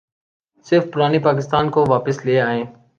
صرف پرانے پاکستان کو واپس لے آئیے۔